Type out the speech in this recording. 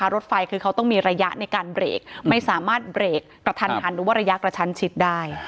รถไฟต้องมีระยะในการเบรกประทันหรือระยะกระชันชิดไม่ใช่